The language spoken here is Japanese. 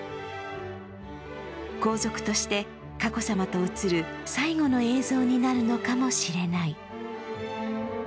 皇族として佳子さまと映る最後の映像になるのかもしれない。